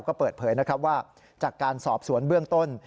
ก็เปิดเผยนะครับว่าจากการสอบสวนเบื้องต้น